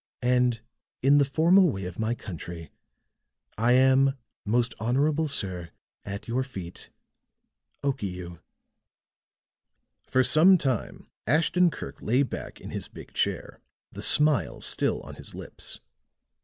And, in the formal way of my country, "I am, most honorable sir, at your feet, "OKIU." For some time Ashton Kirk lay back in his big chair, the smile still on his lips.